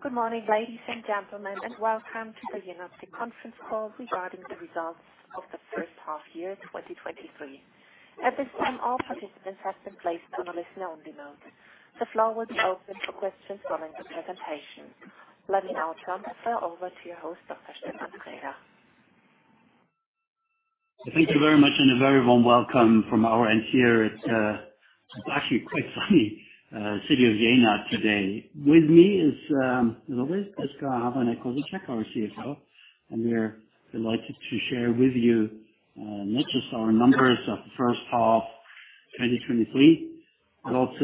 Good morning, ladies and gentlemen, welcome to the Jenoptik Conference Call regarding the results of the first half year, 2023. At this time, all participants have been placed on a listen-only mode. The floor will be open for questions following the presentation. Let me now turn the floor over to your host, Dr. Stefan Traeger. Thank you very much. A very warm welcome from our end here. It's actually quite sunny city of Jena today. With me is, as always, Prisca Havranek-Kosicek, our Chief Financial Officer, our CFO, and we're delighted to share with you not just our numbers of the first half, 2023, but also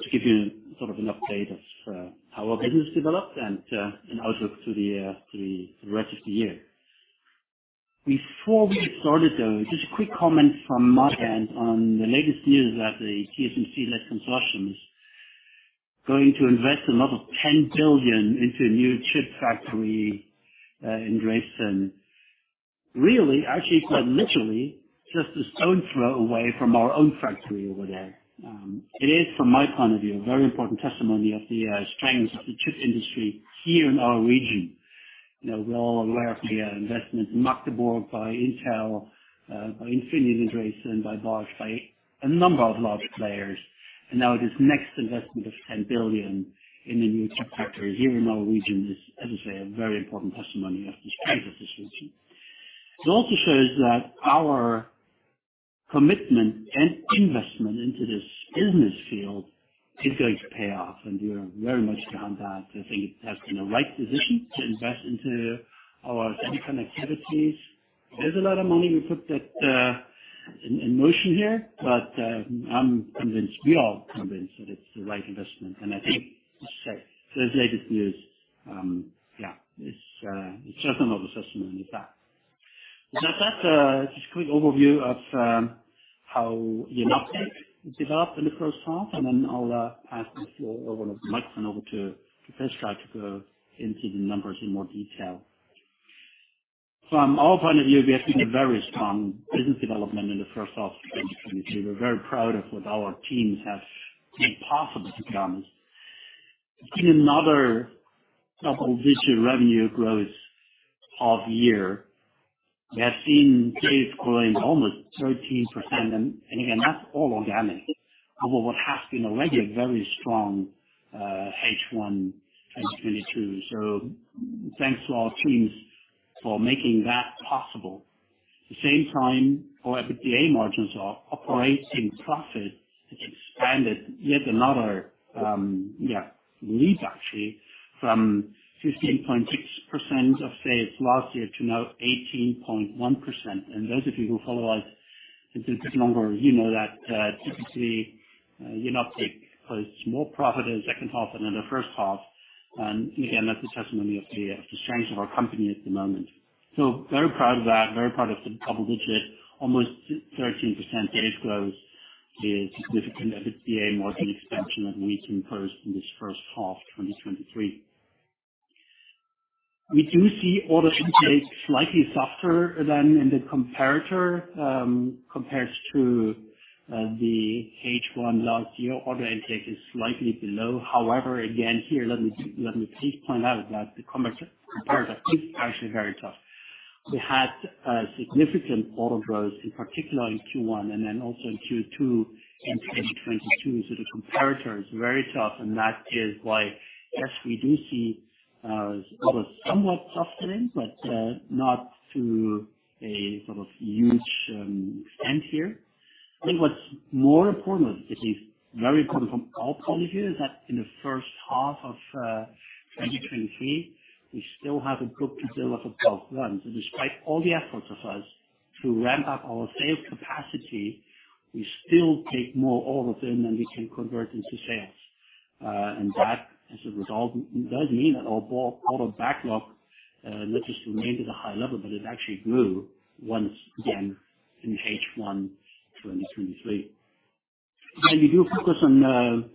to give you sort of an update of how our business developed and an outlook to the to the rest of the year. Before we get started, though, just a quick comment from my end on the latest news that the TSMC-led consortium is going to invest a lot of 10 billion into a new chip factory in Dresden. Really, actually, quite literally, just a stone throw away from our own factory over there. It is, from my point of view, a very important testimony of the strengths of the chip industry here in our region. You know, we're all aware of the investment in Magdeburg by Intel, by Infineon in Dresden, by Bosch, by a number of large players. Now this next investment of 10 billion in the new chip factory here in our region is, as I say, a very important testimony of the strength of this region. It also shows that our commitment and investment into this business field is going to pay off, and we are very much behind that. I think it has been the right decision to invest into our semi-con activities. It is a lot of money we put in motion here, but I'm convinced, we're all convinced, that it's the right investment. I think, say, this latest news, yeah, it's just another testimony to that. With that, just a quick overview of how Jenoptik developed in the first half, then I'll pass this floor over the mic, turn over to Prisca, to go into the numbers in more detail. From our point of view, we have seen a very strong business development in the first half of 2023. We're very proud of what our teams have made possible to come. It's been another double-digit revenue growth half year. We have seen sales growing almost 13%, and again, that's all organic, over what has been already a very strong H1 2022. Thanks to our teams for making that possible. At the same time, our EBITDA margins are operating profit, expanded yet another, yeah, leap actually, from 15.6% of sales last year to now 18.1%. Those of you who follow us, it's been a bit longer, you know that, typically, Jenoptik posts more profit in the second half than in the first half. Again, that's a testimony of the, of the strength of our company at the moment. Very proud of that, very proud of the double digit. Almost 13% sales growth is significant EBITDA margin expansion that we composed in this first half, 2023. We do see order intake slightly softer than in the comparator, compares to the H1 last year. Order intake is slightly below. Again, here, let me, let me please point out that the commercial comparator is actually very tough. We had a significant order growth, in particular in Q1, and then also in Q2 in 2022. The comparator is very tough, and that is why, yes, we do see order somewhat softening, but not to a sort of huge extent here. I think what's more important, at least very important from our point of view, is that in the first half of 2023, we still have a good visibility of well done. Despite all the efforts of us to ramp up our sales capacity, we still take more orders in than we can convert into sales. That as a result, does mean that our order backlog, not just remained at a high level, but it actually grew once again in H1 2023. We do focus on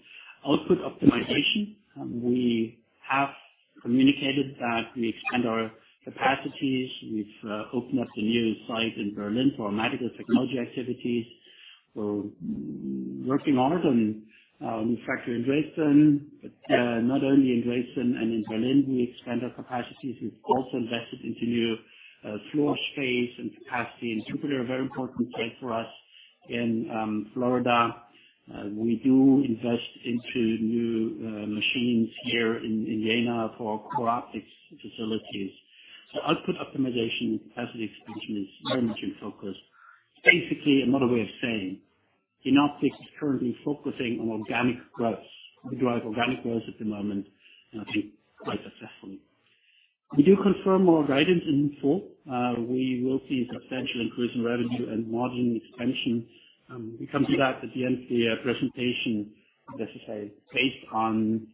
output optimization. We have communicated that we expand our capacities. We've opened up a new site in Berlin for medical technology activities. We're working hard on manufacturing in Dresden, not only in Dresden and in Berlin, we expand our capacities. We've also invested into new floor space and capacity in Jupiter, a very important site for us in Florida. We do invest into new machines here in Jena for core optics facilities. Output optimization, capacity expansion is very much in focus. Basically, another way of saying, Jenoptik is currently focusing on organic growth. We drive organic growth at the moment, and I think quite successfully. We do confirm our guidance in full. We will see substantial increase in revenue and margin expansion. We come to that at the end of the presentation, let's just say. Based on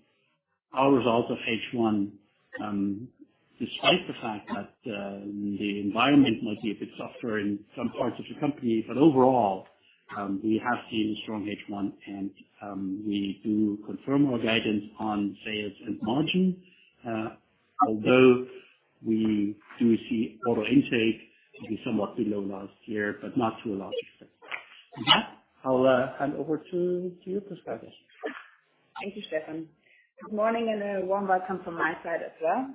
our results of H1, despite the fact that the environment might be a bit softer in some parts of the company, but overall, we have seen a strong H1, and we do confirm our guidance on sales and margin. Although we do see order intake to be somewhat below last year, but not to a large extent. With that, I'll hand over to you, Prisca. Thank you, Stefan. Good morning, and a warm welcome from my side as well.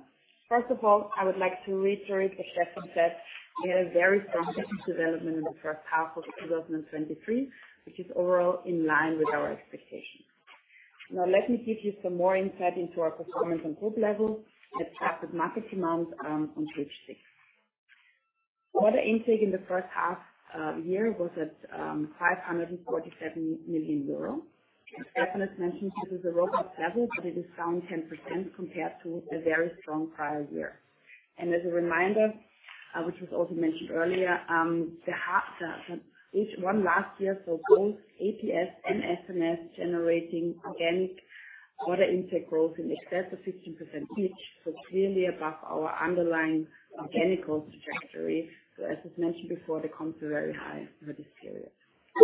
First of all, I would like to reiterate what Stefan said. We had a very strong business development in the first half of 2023, which is overall in line with our expectations. Now, let me give you some more insight into our performance on group level and start with market demand on page six. Order intake in the first half year was at 547 million euro. As Stefan has mentioned, this is a robust level, but it is down 10% compared to the very strong prior year. As a reminder, which was also mentioned earlier, the H1 last year, both APS and FMS, generating organic order intake growth in excess of 15% each, clearly above our underlying organic growth trajectory. As was mentioned before, the comps are very high for this period.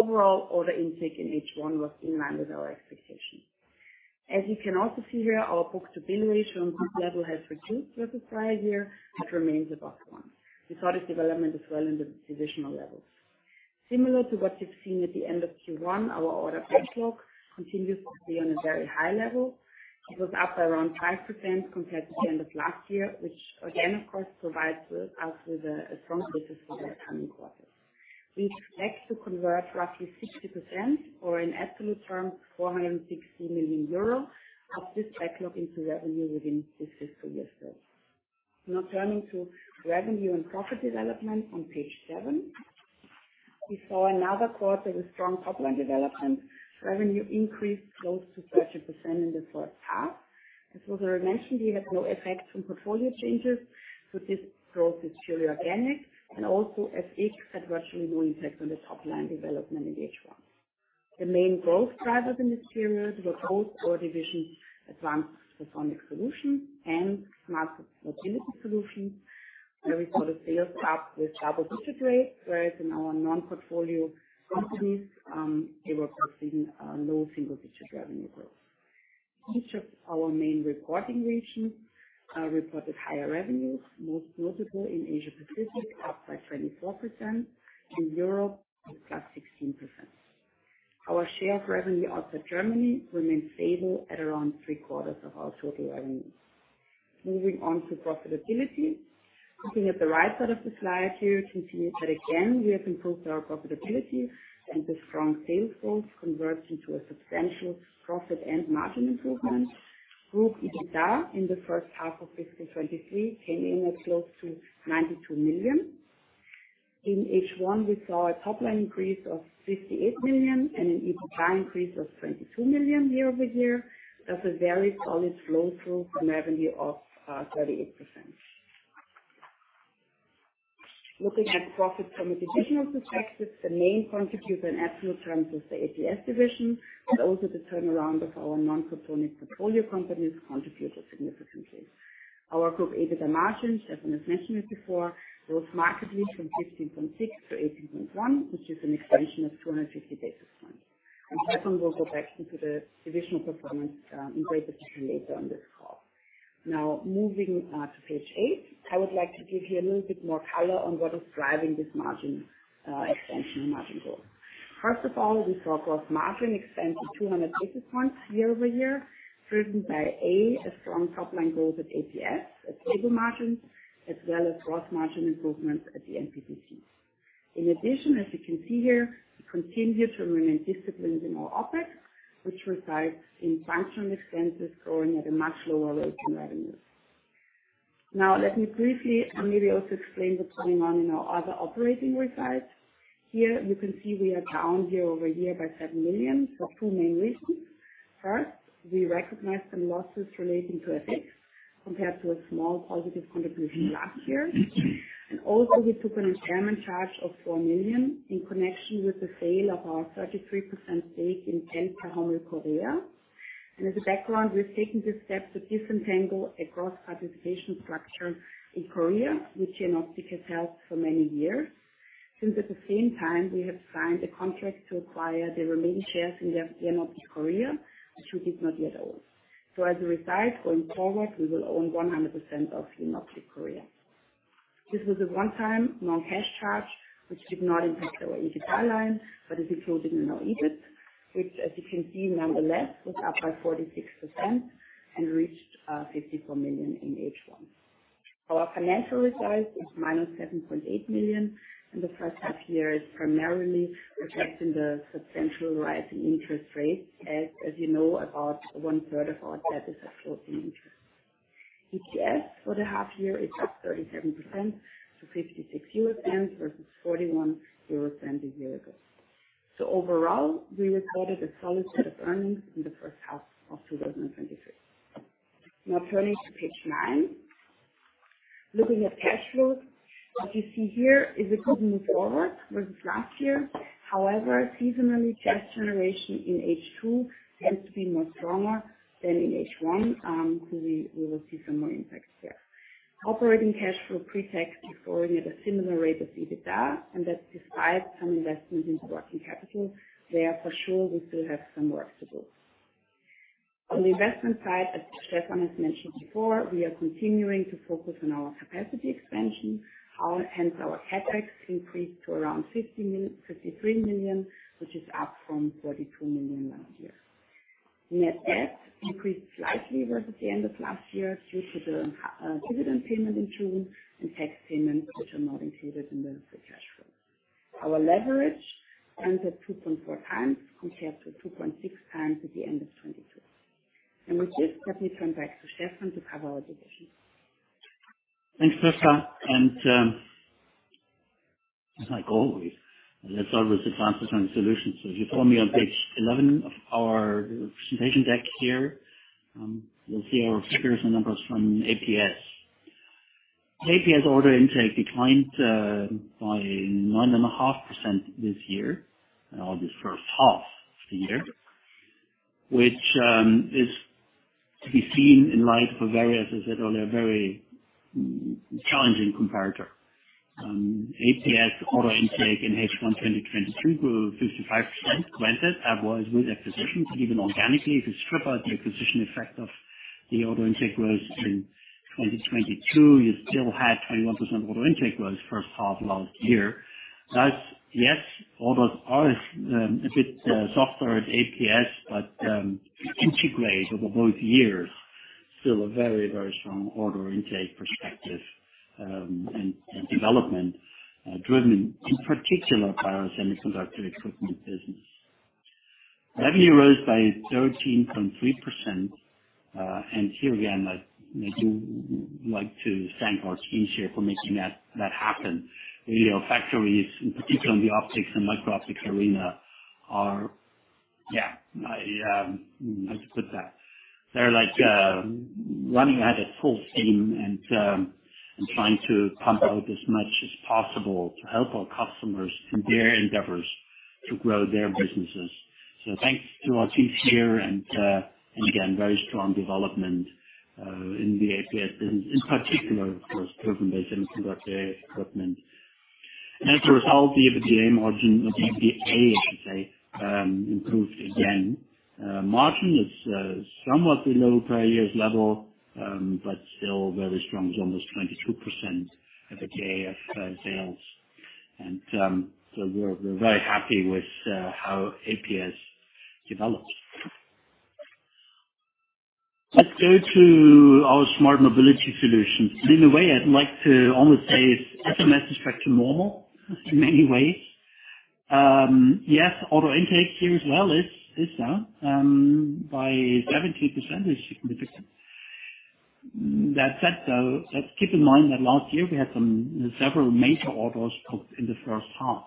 Overall, order intake in H1 was in line with our expectations. As you can also see here, our book-to-bill ratio on group level has reduced versus prior year, remains above one. We saw this development as well in the divisional levels. Similar to what you've seen at the end of Q1, our order backlog continues to be on a very high level. It was up by around 5% compared to the end of last year, which again, of course, provides us with a strong business for the coming quarters. We expect to convert roughly 60%, or in absolute terms, 460 million euro, of this backlog into revenue within this fiscal year. Turning to revenue and profit development on page seven. We saw another quarter with strong top line development. Revenue increased close to 30% in the first half. As was already mentioned, we had no effect from portfolio changes, so this growth is purely organic, and also, as each had virtually no impact on the top line development in H1. The main growth drivers in this period were both our divisions, Advanced Photonic Solutions and Smart Mobility Solutions, where we saw the sales up with double-digit rates. Whereas in our Non-Photonic Portfolio Companies, they were processing low single-digit revenue growth. Each of our main reporting regions reported higher revenues, most notable in Asia Pacific, up by 24%, in Europe, it's +16%. Our share of revenue outside Germany remains stable at around three-quarters of our total revenue. Moving on to profitability. Looking at the right side of the slide here, you can see that again, we have improved our profitability, and the strong sales growth converts into a substantial profit and margin improvement. Group EBITDA in the first half of fiscal 2023 came in at close to 92 million. In H1, we saw a top-line increase of 58 million and an EBITDA increase of 22 million year-over-year. That's a very solid flow through from revenue of 38%. Looking at profit from a divisional perspective, the main contributor in absolute terms is the APS division, but also the turnaround of our non-controlling portfolio companies contributed significantly. Our group EBITDA margin, Stefan has mentioned it before, rose markedly from 15.6 to 18.1, which is an expansion of 250 basis points. Stefan will go back into the divisional performance in greater detail later on this call. Now, moving to page eight, I would like to give you a little bit more color on what is driving this margin expansion and margin growth. First of all, we saw gross margin expand to 200 basis points year-over-year, driven by, A, a strong top-line growth at APS, stable margins, as well as gross margin improvements at the NPPC. In addition, as you can see here, we continue to remain disciplined in our OpEx, which results in functional expenses growing at a much lower rate than revenues. Now, let me briefly maybe also explain the planning on in our other operating results. Here you can see we are down year-over-year by 7 million for two main reasons. First, we recognized some losses relating to FX, compared to a small positive contribution last year. Also, we took an impairment charge of 4 million in connection with the sale of our 33% stake in Jenoptik Korea. As a background, we have taken this step to disentangle a cross-participation structure in Korea, which Jenoptik has held for many years. Since at the same time, we have signed a contract to acquire the remaining shares in the Jenoptik Korea, which we did not yet own. As a result, going forward, we will own 100% of Jenoptik Korea. This was a one-time non-cash charge, which did not impact our EBITDA line, but is included in our EBIT, which, as you can see, nonetheless, was up by 46% and reached 54 million in H1. Our financial result is -7.8 million. The first half year is primarily reflecting the substantial rise in interest rates, as you know, about one-third of our debt is actually in interest. EPS for the half year is up 37% to $0.56, versus $0.41 a year ago. Overall, we recorded a solid set of earnings in the first half of 2023. Turning to page nine. Looking at cash flow, what you see here is a good move forward versus last year. Seasonally, cash generation in H2 tends to be more stronger than in H1, we, we will see some more impacts there. Operating cash flow, pre-tax, is growing at a similar rate of EBITDA, that's despite some investments into working capital. There, for sure, we still have some work to do. On the investment side, as Stefan has mentioned before, we are continuing to focus on our capacity expansion. Hence, our CapEx increased to around 53 million, which is up from 42 million last year. Net debt increased slightly versus the end of last year, due to the dividend payment in June and tax payments, which are not included in the free cash flow. Our leverage ends at 2.4x, compared to 2.6x at the end of 2022. With this, let me turn back to Stefan to cover our divisions. Thanks, Birgit. Like always, let's start with advances on solutions. If you follow me on page 11 of our presentation deck here, you'll see our figures and numbers from APS. APS order intake declined by 9.5% this year, or this first half of the year, which is to be seen in light of a various, as I said earlier, a very challenging comparator. APS order intake in H1 2022 grew 55%. Granted, that was with acquisitions, but even organically, if you strip out the acquisition effect of the order intake growth in 2022, you still had 21% order intake growth first half last year. That's, yes, orders are a bit softer at APS, but integrated over both years, still a very, very strong order intake perspective, and development, driven in particular by our semiconductor equipment business. Revenue rose by 13.3%, and here again, I'd like to thank our team here for making that, that happen. You know, factories, in particular in the optics and micro optics arena, are... Yeah, I, how to put that? They're like running at full steam and trying to pump out as much as possible to help our customers in their endeavors to grow their businesses. Thanks to our team here, and again, very strong development in the APS business, in particular, of course, driven by semiconductor equipment. As a result, the EBITDA margin, or the EBITDA, I should say, improved again. Margin is somewhat below prior year's level, but still very strong, it's almost 22% of the K of sales. So we're, we're very happy with how APS developed. Let's go to our Smart Mobility Solutions. In a way, I'd like to almost say SMS is back to normal in many ways. Yes, auto intake here as well is, is down by 17% is significant. That said, though, let's keep in mind that last year we had some several major orders come in the first half.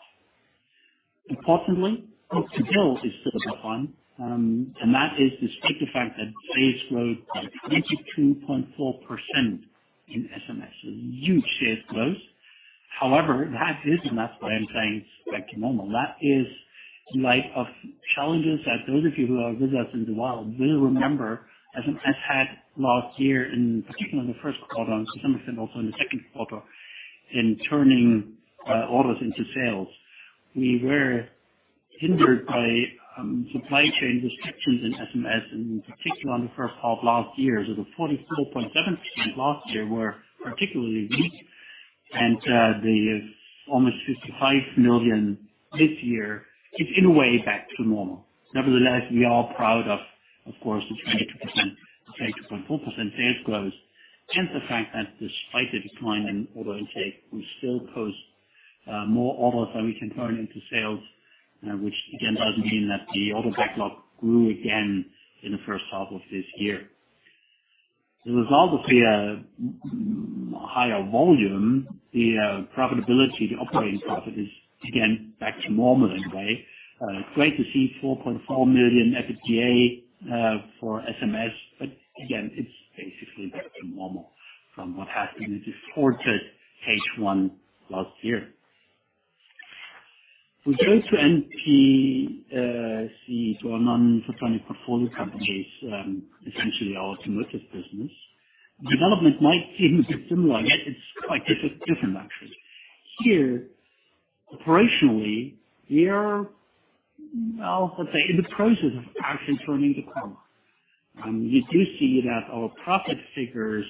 Importantly, book-to-bill is still above 1, and that is despite the fact that sales growth by 22.4% in SMS. A huge sales growth. That is, and that's why I'm saying back to normal, that is in light of challenges that those of you who are with us in the while will remember, as, as had last year, in particular in the first quarter, and to some extent also in the second quarter, in turning orders into sales. We were hindered by supply chain restrictions in SMS, and in particular in the first half last year. The 44.7% last year were particularly weak, and the almost 55 million this year is in a way back to normal. Nevertheless, we are proud of, of course, the 22%, 22.4% sales growth, hence the fact that despite the decline in order intake, we still post more orders that we can turn into sales, which again, does mean that the order backlog grew again in the first half of this year. The result of the higher volume, the profitability, the operating profit, is again back to normal in a way. It's great to see 4.4 million EBITDA for SMS, but again, it's basically back to normal from what happened in the distorted H1 last year. We go to NPC, our Non-Photonic Portfolio Companies, essentially our automotive business. Development might seem similar, yet it's quite different actually. Here, operationally, we are, well, let's say, in the process of actually turning the corner. You do see that our profit figures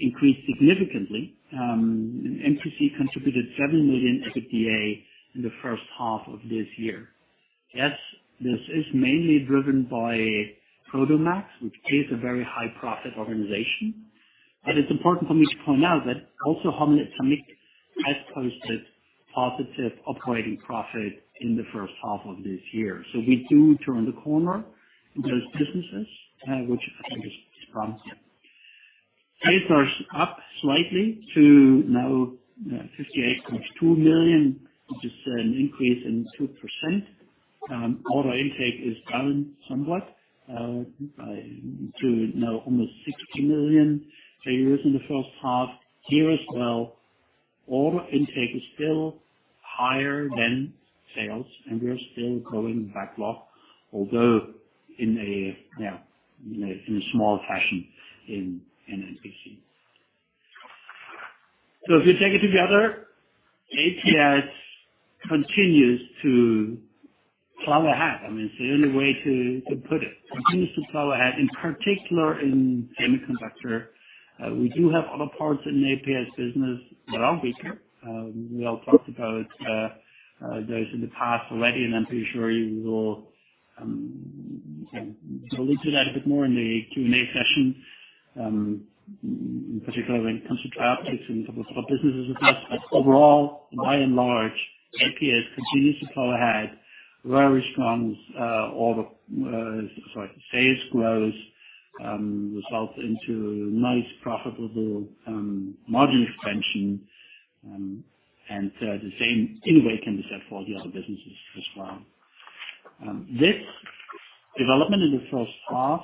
increased significantly. NPC contributed 7 million EBITDA in the first half of this year. Yes, this is mainly driven by Prodomax, which is a very high profit organization. It's important for me to point out that also Hommel-Etamic has posted positive operating profit in the first half of this year. We do turn the corner in those businesses, which I think is promising. Sales are up slightly to now 58.2 million, which is an increase in 2%. Order intake is down somewhat to now almost 60 million for years in the first half. Here as well, order intake is still higher than sales, and we are still growing backlog, although in a, in a small fashion in, in NPC. If you take it together, APS continues to plow ahead. I mean, it's the only way to put it. Continues to plow ahead, in particular in semiconductor. We do have other parts in the APS business that are weaker. We all talked about those in the past already, and I'm pretty sure we will kind of go into that a bit more in the Q&A session. In particular, when it comes to TRIOPTICS and couple of other businesses as well. Overall, by and large, APS continues to plow ahead very strong, all the, sorry, sales growth results into nice, profitable margin expansion. The same, in a way, can be said for the other businesses as well. This development in the first half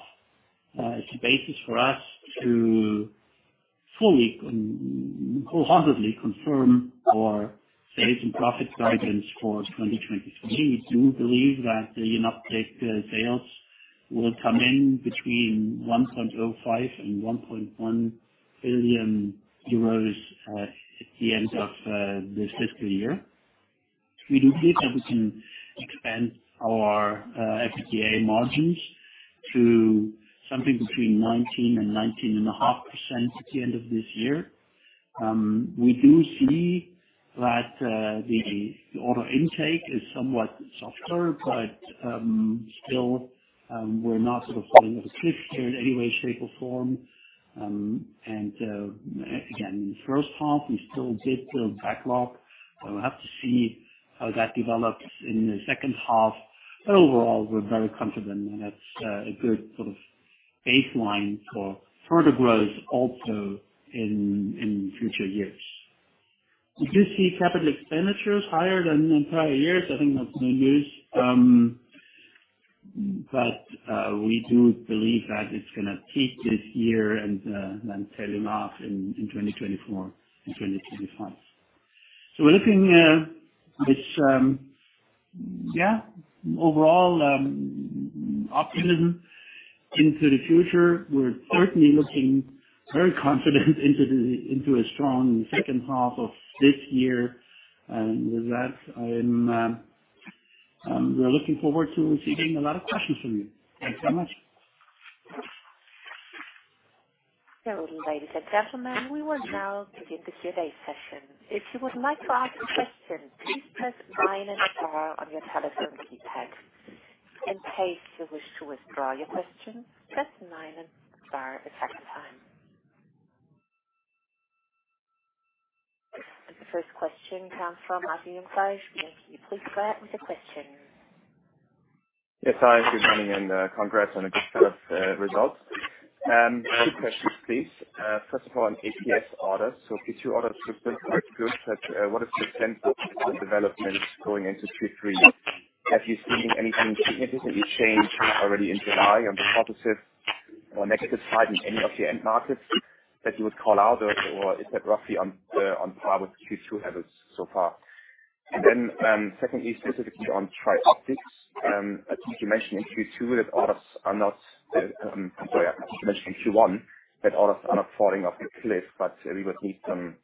is the basis for us to fully wholeheartedly confirm our sales and profit guidance for 2023. We do believe that the in-update sales will come in between 1.05 billion and 1.1 billion euros at the end of this fiscal year. We do believe that we can expand our EBITDA margins to something between 19% and 19.5% at the end of this year. We do see that the order intake is somewhat softer, but still, we're not sort of falling off a cliff here in any way, shape, or form. Again, in the first half, we still did build backlog, but we'll have to see how that develops in the second half. Overall, we're very confident, and that's a good sort of baseline for further growth also in, in future years. We do see capital expenditures higher than in prior years. I think that's good news. We do believe that it's gonna peak this year and then tailing off in, in 2024 and 2025. We're looking with, yeah, overall, optimism into the future. We're certainly looking very confident into a strong second half of this year. With that, I'm looking forward to receiving a lot of questions from you. Thanks so much. Ladies and gentlemen, we will now begin the Q&A session. If you would like to ask a question, please press nine and star on your telephone keypad. In case you wish to withdraw your question, press nine and star a second time. The first question comes from Matthew in Five. May you please go ahead with your question. Yes, hi, good morning, congrats on a good set of results. Two questions, please. First of all, on APS orders. Q2 orders looked quite good, but what is the sense of development going into Q3? Have you seen anything significantly change already in July on the positive or negative side in any of your end markets that you would call out, or is that roughly on par with Q2 levels so far? Then, secondly, specifically on TRIOPTICS, I think you mentioned in Q2 that orders are not, sorry, I think you mentioned in Q1 that orders are not falling off the cliff, but we would need some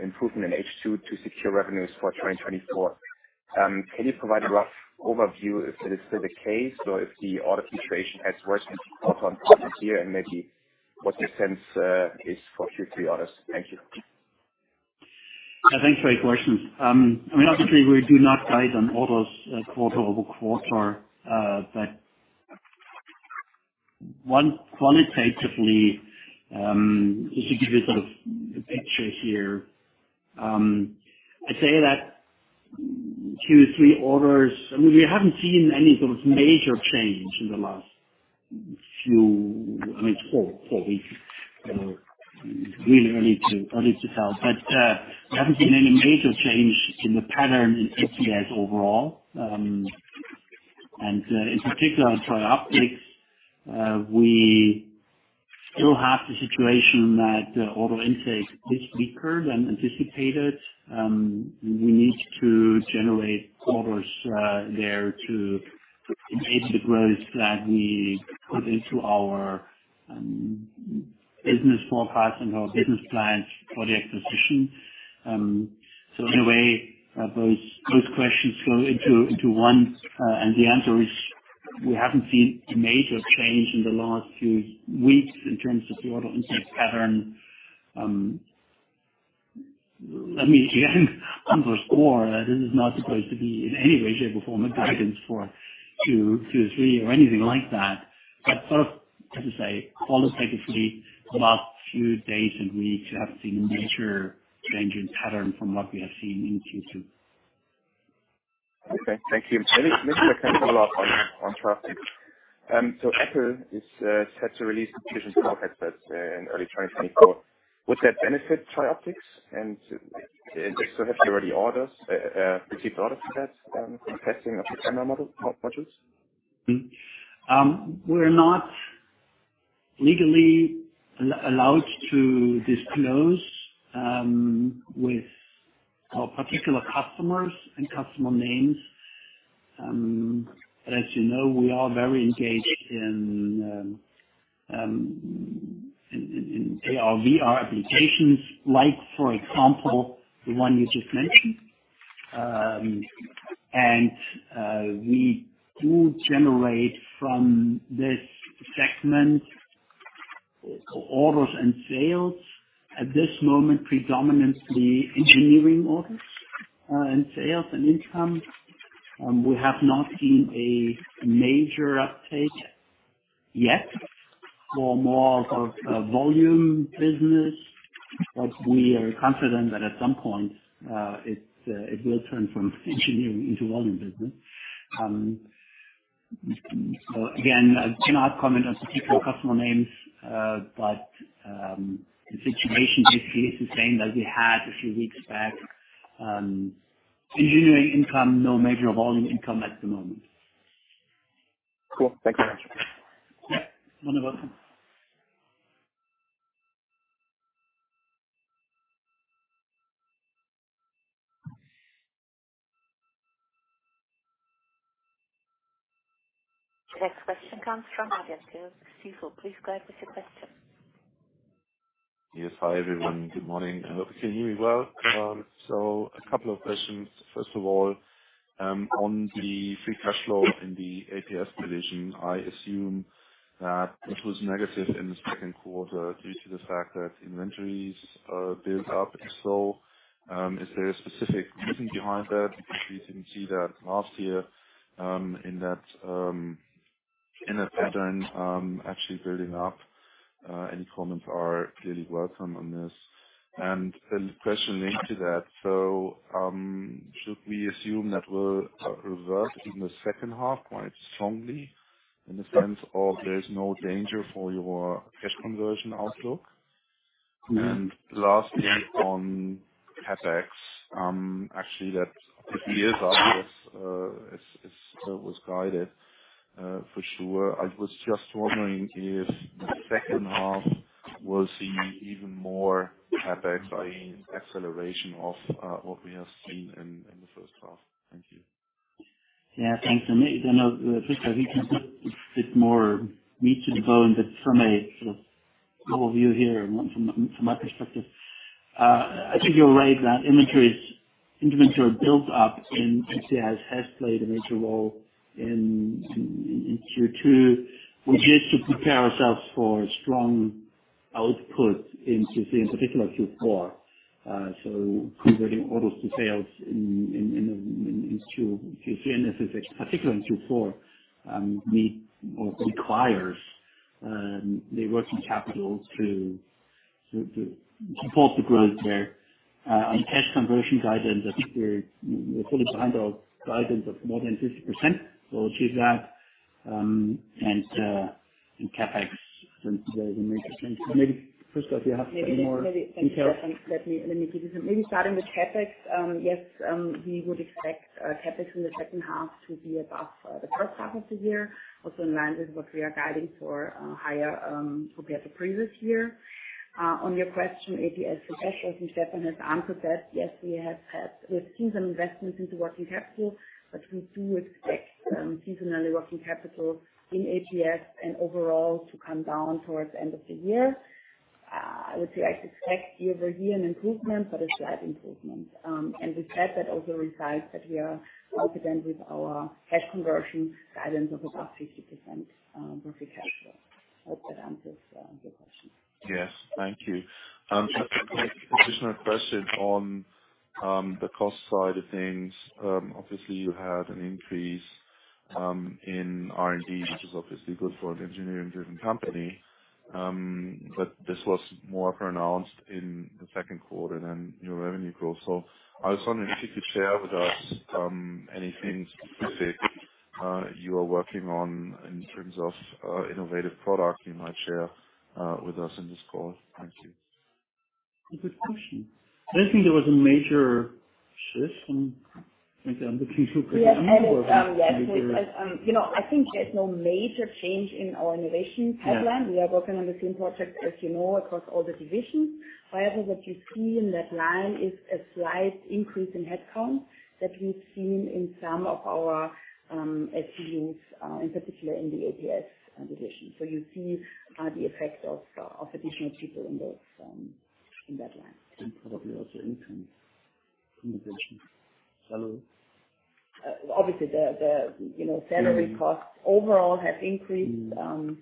improvement in H2 to secure revenues for 2024. Can you provide a rough overview if that is still the case, or if the order situation has worsened also on here, and maybe what the sense is for Q3 orders? Thank you. Yeah, thanks for your questions. I mean, obviously, we do not guide on orders, quarter-over-quarter. Quantitatively, just to give you sort of the picture here, I'd say that Q3 orders... I mean, we haven't seen any sort of major change in the last few, I mean, four weeks. Really early to tell. We haven't seen any major change in the pattern in APS overall. In particular, in TRIOPTICS, we still have the situation that order intake is weaker than anticipated. We need to generate orders there to engage the growth that we put into our business forecast and our business plans for the acquisition. In a way, those, those questions flow into, into one, and the answer is, we haven't seen a major change in the last few weeks in terms of the order intake pattern. Let me again underscore, this is not supposed to be in any way, shape, or form a guidance for Q-Q3 or anything like that. Sort of, as I say, qualitatively, the last few days and weeks, we haven't seen a major change in pattern from what we have seen in Q2. Okay, thank you. Maybe, maybe I can follow up on, on TRIOPTICS. Apple is set to release Vision Pro headsets in early 2024. Would that benefit TRIOPTICS? Have you already orders received orders for that for testing of your camera model modules? We're not legally allowed to disclose with our particular customers and customer names. As you know, we are very engaged in AR/VR applications, like, for example, the one you just mentioned. We do generate from this segment, orders and sales. At this moment, predominantly engineering orders and sales and income. We have not seen a major uptake yet for more of a volume business, but we are confident that at some point, it will turn from engineering into volume business. Again, I cannot comment on particular customer names, but the situation is the same that we had a few weeks back. Engineering income, no major volume income at the moment. Cool. Thank you very much. Yeah, wonderful. Next question comes from the line of [Cécile]. Please go ahead with your question. Yes. Hi, everyone. Good morning. I hope you're doing well. A couple of questions. First of all, on the free cash flow in the APS division, I assume that it was negative in the second quarter due to the fact that inventories built up. Is there a specific reason behind that? We didn't see that last year, in that in that pattern actually building up. Any comments are clearly welcome on this. Then the question linked to that, should we assume that we'll reverse in the second half quite strongly, in the sense of there's no danger for your cash conversion outlook? Mm-hmm. Lastly, on CapEx, actually, that is up, as, as, as was guided, for sure. I was just wondering if the second half will see even more CapEx by acceleration of what we have seen in, in the first half. Thank you. Yeah, thanks. Maybe, I know, Prisca, we can put a bit more meat to the bone, but from a sort of overview here and from, from my perspective, I think you're right, that inventories, inventory build up in CAS has played a major role in Q2, which is to prepare ourselves for strong output in Q3, in particular Q4. So converting orders to sales in Q3, and this is particularly in Q4, we, or requires the working capital to support the growth there. On cash conversion guidance, I think we're, we're fully behind our guidance of more than 50%. So we'll achieve that. In CapEx, there is a major change. Maybe, Prisca, if you have more details. Maybe, maybe let me, let me give you. Maybe starting with CapEx, yes, we would expect CapEx in the second half to be above the first half of the year, also in line with what we are guiding for higher compared to previous year. On your question, APS, as Stefan has answered that, yes, we have had a season investment into working capital, but we do expect seasonally working capital in APS and overall to come down towards the end of the year. I would say I expect year-over-year an improvement, but a slight improvement. With that, that also resides that we are confident with our cash conversion guidance of about 50% working capital. I hope that answers your question. Yes, thank you. Just additional question on the cost side of things. Obviously, you had an increase in R&D, which is obviously good for an engineering-driven company. But this was more pronounced in the second quarter than your revenue growth. I was wondering if you could share with us anything specific you are working on in terms of innovative products you might share with us in this call? Thank you. A good question. I don't think there was a major shift from, like. Yes, you know, I think there's no major change in our innovation pipeline. Yeah. We are working on the same projects, as you know, across all the divisions. However, what you see in that line is a slight increase in headcount that we've seen in some of our SBUs, in particular in the APS division. You see, the effect of, of additional people in those in that line. Probably also interns innovation. Salary? Obviously, the, the, you know, salary costs overall have increased. Mm.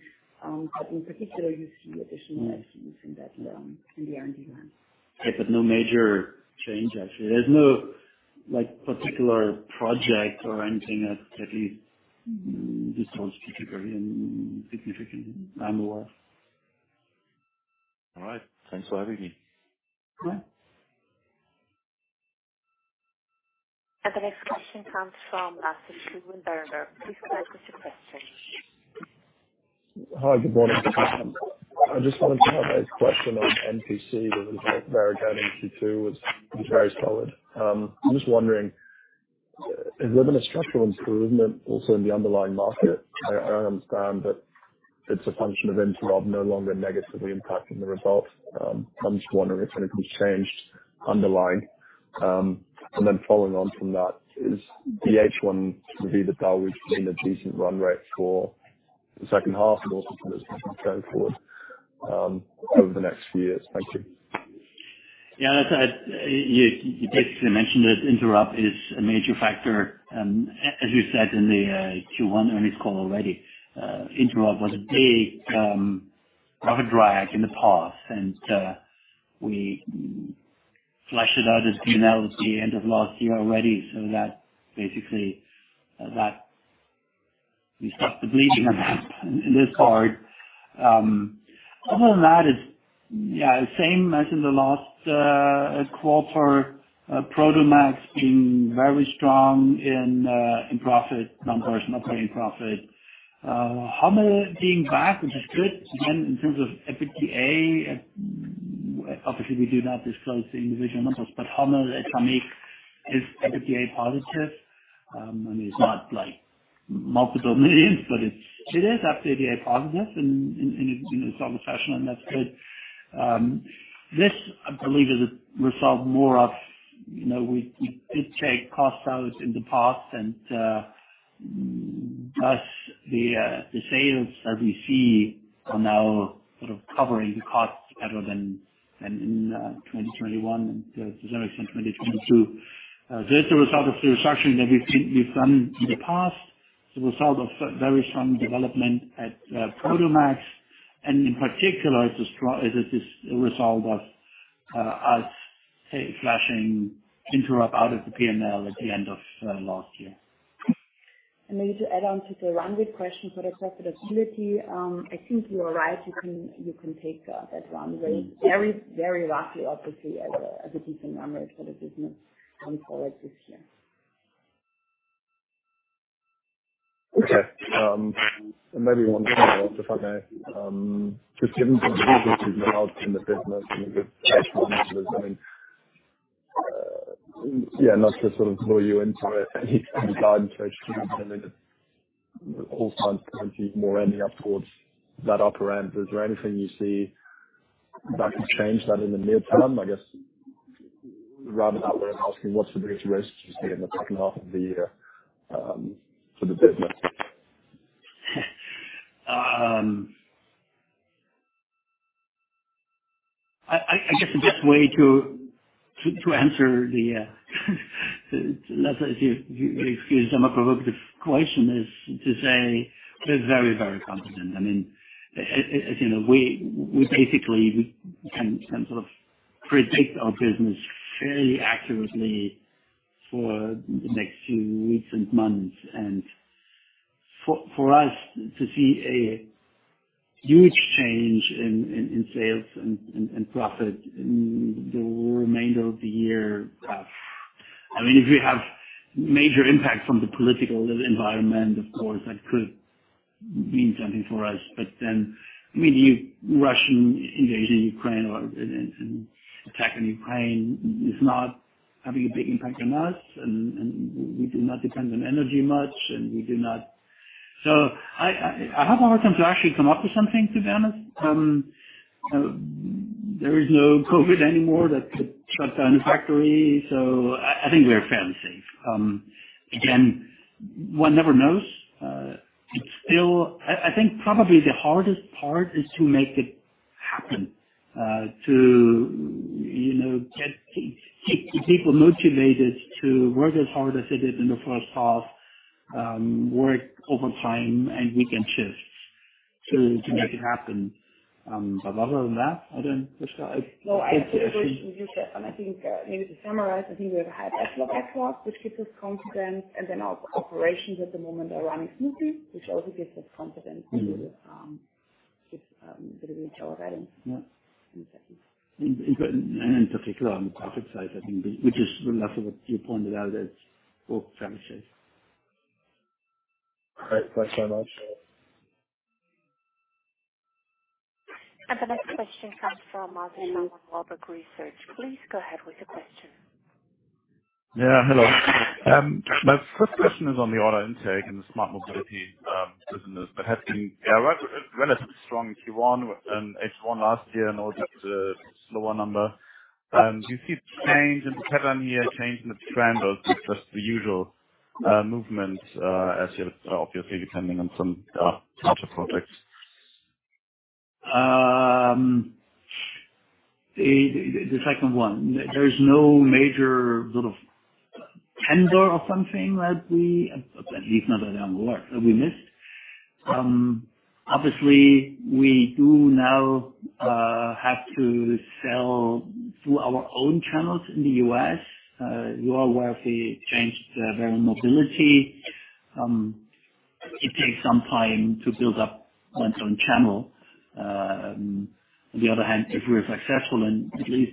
In particular, you see additional SBUs in that, in the R&D line. Yeah, no major change, actually. There's no, like, particular project or anything that, that is, this was particularly significant that I'm aware of. All right. Thanks for having me. Yeah. The next question comes from. Please go ahead with your question. Hi, good morning. I just wanted to have a question on NPC, the result there down in Q2 was, was very solid. I'm just wondering, is there been a structural improvement also in the underlying market? I, I understand that- It's a function of INTEROB no longer negatively impacting the results. I'm just wondering if anything's changed underlying. Then following on from that, is the H1 review that there would be a decent run rate for the second half and also going forward over the next few years? Thank you. Yeah, that's, you, you basically mentioned that INTEROB is a major factor, and as you said in the Q1 earnings call already, INTEROB was a big, of a drag in the past, and we flushed it out as P&L at the end of last year already. That basically, that we stopped the bleeding in this part. Other than that, it's, yeah, same as in the last quarter. Prodomax being very strong in profit, non-personal operating profit. Hommel being back, which is good. In terms of EBITDA, obviously, we do not disclose individual numbers, but Hommel as how it is EBITDA positive. I mean, it's not like multiple millions, but it's, it is EBITDA positive in its own fashion, and that's good. This, I believe, is a result more of, you know, we, we did take costs out in the past, and plus the sales that we see are now sort of covering the costs better than, than in 2021 and to some extent 2022. This is a result of the restructuring that we've done in the past. The result of very strong development at Prodomax, and in particular, it is a result of us, say, flushing INTEROB out of the PNL at the end of last year. Maybe to add on to the run rate question for the profitability, I think you are right. You can, you can take that run rate very, very roughly, obviously, as a, as a decent number for the business going forward this year. Okay. Maybe one more, if I may. Just given some improvements in the business and the good cash flows, I mean, yeah, not to sort of lure you into it, any guide, so to speak, I mean, all signs seem to be more ending up towards that upper end. Is there anything you see that could change that in the near term? I guess, rather than asking what's the risk here in the second half of the year for the business? I guess the best way to answer the let's say, if you excuse some a provocative question, is to say we're very, very confident. I mean, as you know, we basically, we can sort of predict our business fairly accurately for the next few weeks and months, and for us to see a huge change in sales and profit in the remainder of the year. I mean, if you have major impact from the political environment, of course, that could mean something for us. I mean, the Russian invasion in Ukraine or, and attack on Ukraine is not having a big impact on us, and we do not depend on energy much. I, I, I have a hard time to actually come up with something, to be honest. There is no COVID anymore that could shut down a factory. I, I think we are fairly safe. Again, one never knows. Still, I, I think probably the hardest part is to make it happen, to, you know, get, keep the people motivated to work as hard as they did in the first half, work overtime and weekend shifts to, to make it happen. Other than that, I don't... No, I think you said, and I think, maybe to summarize, I think we have a high backlog, which gives us confidence, and then our operations at the moment are running smoothly, which also gives us confidence- Mm-hmm. With, with our guidance. Yeah. In a second. In particular, on the profit side, I think, which is also what you pointed out, as well, fairly safe. Great. Thanks so much. The next question comes from Warburg Research. Please go ahead with your question. Yeah, hello. My first question is on the order intake and the Smart Mobility business, that has been re- relatively strong in Q1 and H1 last year, and also the slower number. Do you see a change in the pattern here, a change in the trend, or is it just the usual movement, as you're obviously depending on some larger projects? The, the second one, there is no major sort of tender or something that we, at least not that I'm aware, that we missed. Obviously, we do now have to sell through our own channels in the U.S.. You are aware of the change to Vario Mobility. It takes some time to build up one's own channel. On the other hand, if we're successful, and at least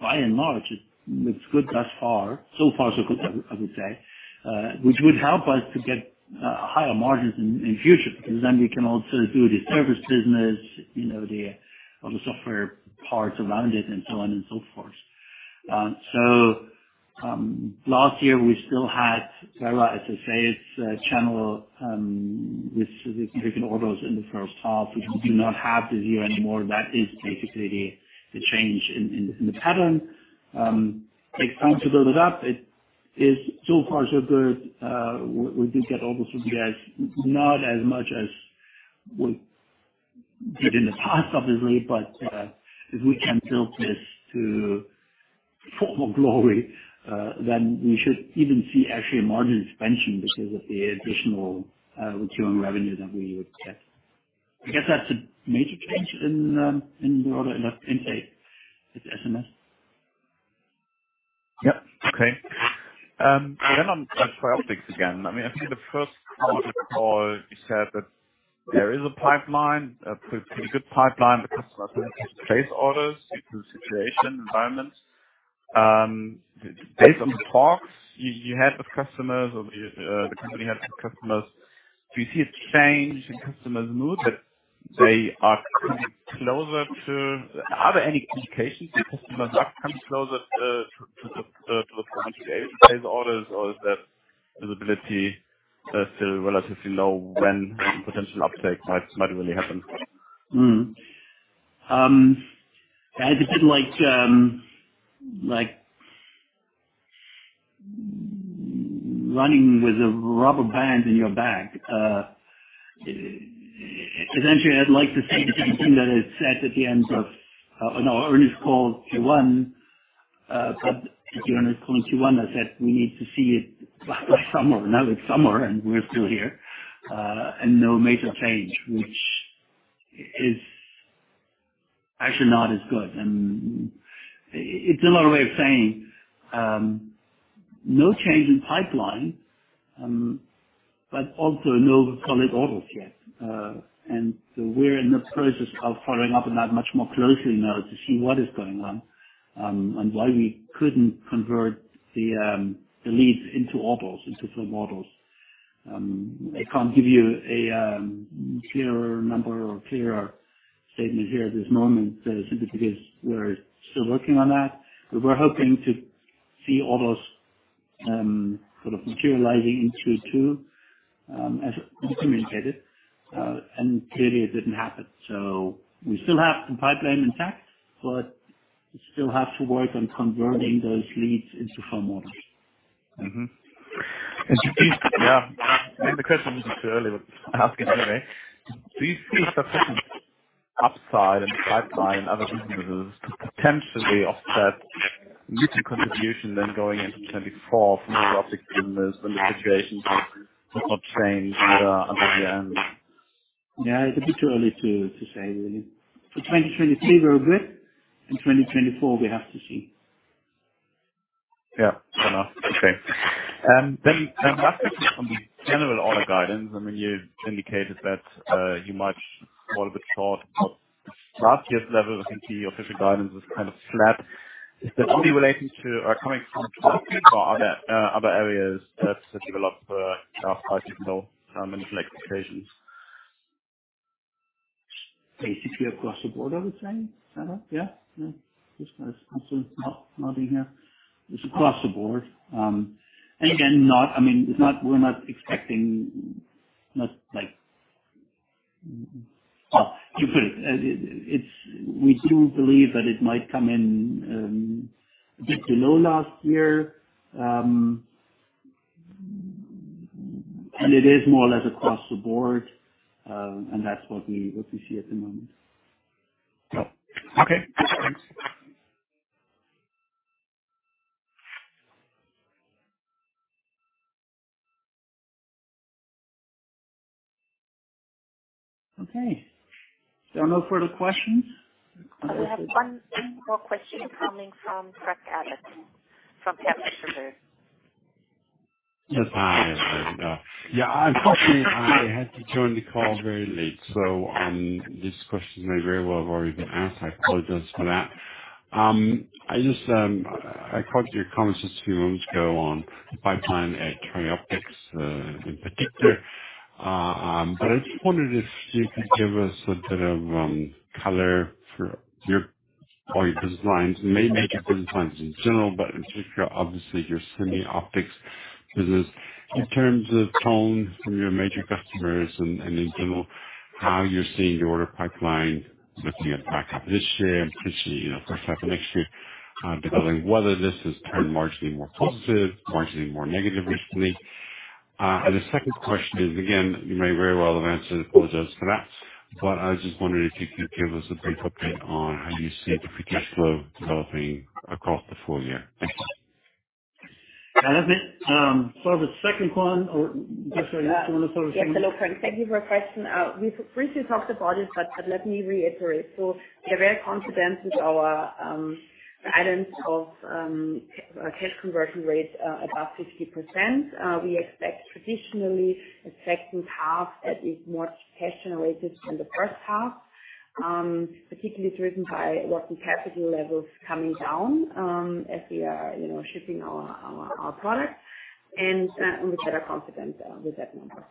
by and large, it's, it's good thus far. So far, so good, I, I would say, which would help us to get higher margins in, in future, because then we can also do the service business, you know, the, all the software parts around it, and so on and so forth. Last year, we still had [Tattile], as I say, it's a channel, with, with different orders in the first half, which we do not have this year anymore. That is basically the change in, in, in the pattern. It takes time to build it up. It is so far so good. We did get orders from guys, not as much as we did in the past, obviously, but, if we can build this to former glory, then we should even see actually a margin expansion because of the additional, returning revenue that we would get. I guess that's a major change in, in the order, in the, in the SMS. Yep. Okay. On TRIOPTICS again, I mean, I see the first quarter call, you said that there is a pipeline, a pretty good pipeline, because customers place orders due to the situation, environment. Based on the talks you, you had with customers or the company had with customers, do you see a change in customers' mood, that they are coming closer to? Are there any indications the customers are coming closer to, to the, to the place orders, or is that visibility still relatively low when potential uptake might, might really happen? It's a bit like running with a rubber band in your back. Essentially, I'd like to say the same thing that I said at the end of, no, our earnings call Q1. At the end of 2021, I said we need to see it by summer. Now it's summer, and we're still here, no major change, which is actually not as good. It's another way of saying, no change in pipeline, but also no solid orders yet. We're in the process of following up on that much more closely now to see what is going on, and why we couldn't convert the leads into orders, into firm orders. I can't give you a clearer number or clearer statement here at this moment, simply because we're still working on that. We're hoping to see orders sort of materializing into two as we indicated. Clearly it didn't happen. We still have the pipeline intact, but we still have to work on converting those leads into firm orders. Yeah, maybe the question was a bit too early, but I'll ask it anyway. Do you see a potential upside in the pipeline and other businesses potentially offset mutual contribution then going into 2024 for new business when the situation has not changed either until the end? Yeah, it's a bit too early to, to say, really. For 2022, we're good. In 2024, we have to see. Yeah, fair enough. Okay. Back on the general order guidance, I mean, you indicated that you might fall a bit short of last year's level. I think the official guidance is kind of flat. Is that only relating to or coming from, or other other areas that, that develop as you saw many expectations? Basically across the board, I would say. Is that right? Yeah. Yeah. This is absolutely not, not in here. It's across the board. Again, not... I mean, it's not, we're not expecting, not like... you put it. It's we do believe that it might come in, a bit below last year. It is more or less across the board, and that's what we appreciate at the moment. Yep. Okay, thanks. Okay. There are no further questions? We have one more question coming from [Frank Abbott], from Jefferies. Yes, hi. Yeah, unfortunately, I had to join the call very late, so this question may very well have already been asked. I apologize for that. I caught your comments just a few moments ago on the pipeline at TRIOPTICS in particular. I just wondered if you could give us a bit of color for your, all your business lines, maybe major business lines in general, but in particular, obviously, your semi optics business, in terms of tone from your major customers and, and in general, how you're seeing your order pipeline with the impact of this year and potentially, you know, first half of next year, depending whether this has turned marginally more positive, marginally more negative recently. The second question is, again, you may very well have answered, I apologize for that, but I was just wondering if you could give us a brief update on how you see the free cash flow developing across the full year. The second one, or just you want to sort of- Yes. Hello, Frank, thank you for your question. We've briefly talked about it, but let me reiterate. We're very confident with our guidance of cash conversion rate above 50%. We expect traditionally the second half is more cash generated than the first half, particularly driven by working capital levels coming down, as we are, you know, shipping our, our, our products, and we are confident with that number.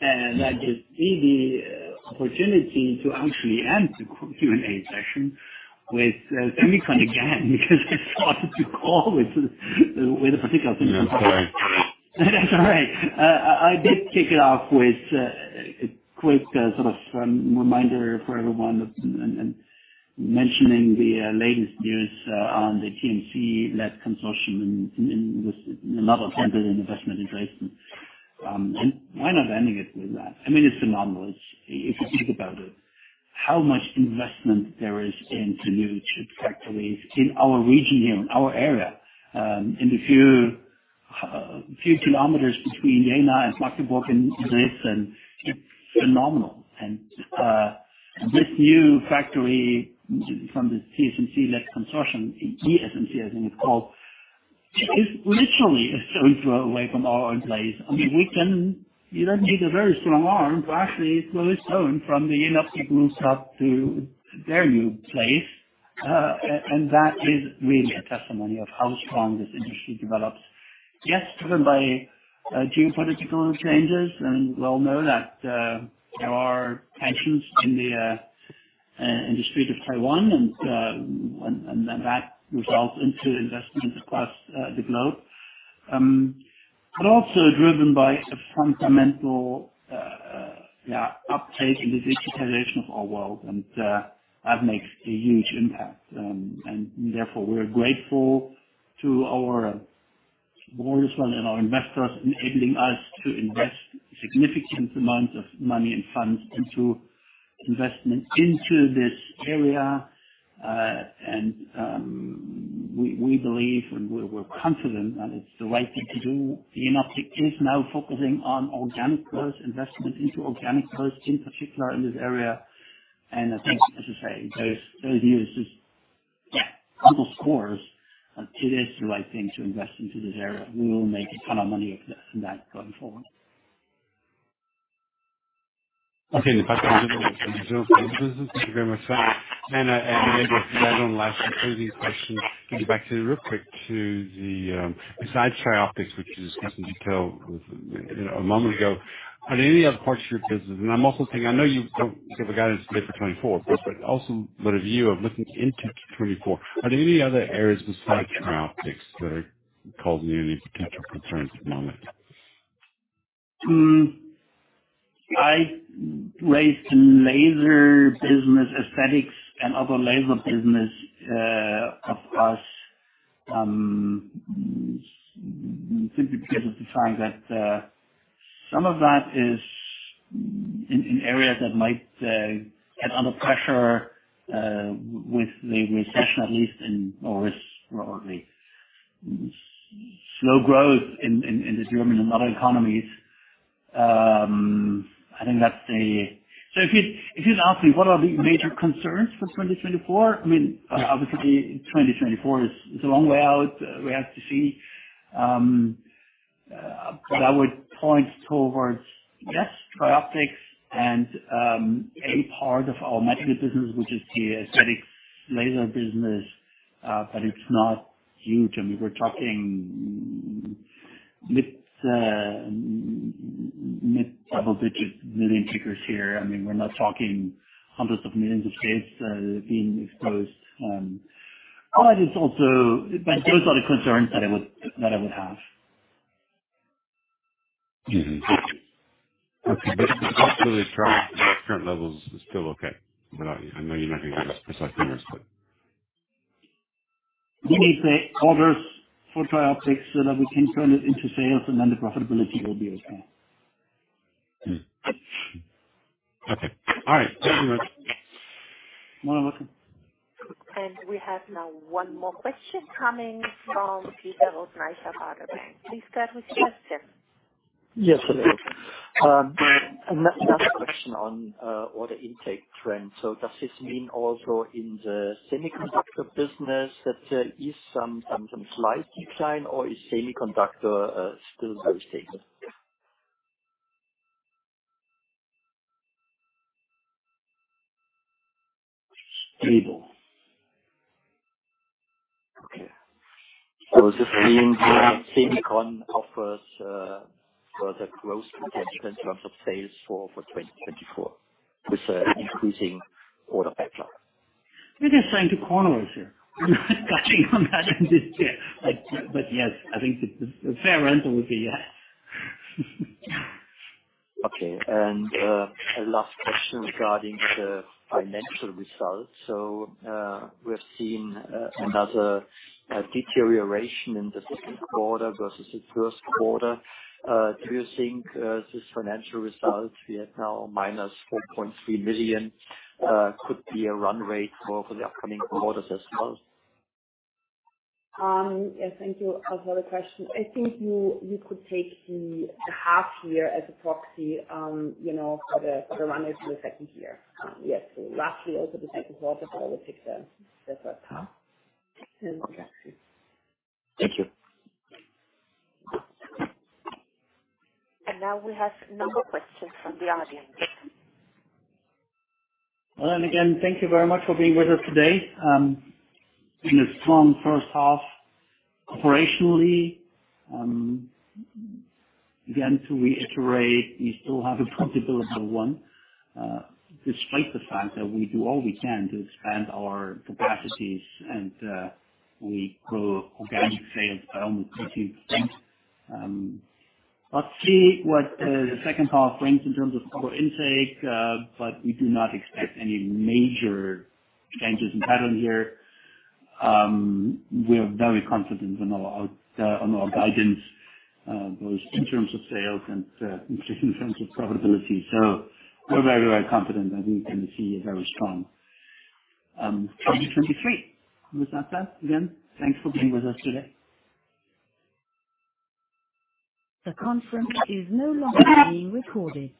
I just see the opportunity to actually end the Q&A session with Semiconductor again, because I started the call with a particular-. Yeah, sorry. That's all right. I did kick it off with a quick sort of reminder for everyone mentioning the latest news on the TSMC-led consortium with another EUR 1 billion investment in Dresden. Why not ending it with that? I mean, it's phenomenal. If you think about it, how much investment there is into new chip factories in our region here, in our area, in the few kilometers between Jena and Magdeburg in Dresden, it's phenomenal. This new factory from the TSMC-led consortium, ESMC, I think it's called, is literally a stone's throw away from our own place. I mean, you don't need a very strong arm to actually throw a stone from the Jenoptik group up to their new place. That is really a testimony of how strong this industry develops. Yes, driven by geopolitical changes, and we all know that there are tensions in the industry of Taiwan, and that results into investment across the globe. Also driven by a fundamental uptake in the digitalization of our world, and that makes a huge impact. Therefore, we are grateful to our board as well, and our investors, enabling us to invest significant amounts of money and funds into investment into this area. We, we believe and we're, we're confident that it's the right thing to do. Jenoptik is now focusing on organic growth, investment into organic growth, in particular in this area. I think, as I say, those, those news is, yeah, underscores, it is the right thing to invest into this area. We will make a ton of money of that, from that going forward. Okay. Thank you very much. Maybe if we had one last closing question, get back to you real quick to the, besides TRIOPTICS, which you told a moment ago, are there any other parts of your business? I'm also thinking, I know you've got, sort of, guidance there for 2024, but, but also with a view of looking into 2024, are there any other areas besides TRIOPTICS that are causing you any potential concerns at the moment? I raised laser business, aesthetics, and other laser business across simply because of the fact that some of that is in areas that might get under pressure with the recession, at least, in, or is probably slow growth in the German and other economies. I think that's a. If you'd ask me, what are the major concerns for 2024? I mean, obviously 2024 is a long way out. We have to see. I would point towards, yes, TRIOPTICS and a part of our medical business, which is the aesthetic laser business, but it's not huge. I mean, we're talking EUR mid-double digit million figures here. I mean, we're not talking EUR hundreds of millions of states being exposed. Those are the concerns that I would, that I would have. Mm-hmm. Okay, but absolutely, current, current levels is still okay. I, I know you're not going to give us precise numbers, but. We need the orders for TRIOPTICS, so that we can turn it into sales, and then the profitability will be okay. Okay. All right. Thank you very much. You are welcome. We have now one more question coming from Peter of. Please go ahead with your question. Yes. another question on order intake trends. Does this mean also in the semiconductor business that is some, some, some slight decline, or is semiconductor still very stable? Stable. Okay. Does this mean semicon offers, further growth potential in terms of sales for, for 2024, with increasing order backlog? We're just trying to corner us here. Touching on that this year, but, but yes, I think the, the fair answer would be yes. Okay. A last question regarding the financial results. We're seeing another deterioration in the second quarter versus the first quarter. Do you think this financial results, we are now -4.3 million, could be a run rate for, for the upcoming quarters as well? Yes, thank you. Also, the question, I think you, you could take the half year as a proxy, you know, for the, for the run into the second year. Yes, lastly, also the second quarter, but I would take the, the first half. Okay. Thank you. Now we have no more questions from the audience. Well, thank you very much for being with us today. It's been a strong first half operationally. Again, to reiterate, we still have a profitability of one despite the fact that we do all we can to expand our capacities and we grow organic sales by almost 13%. Let's see what the second half brings in terms of order intake, but we do not expect any major changes in pattern here. We are very confident in our on our guidance, both in terms of sales and in terms of profitability. We're very, very confident that we can see a very strong 2023. With that said, again, thanks for being with us today. The conference is no longer being recorded.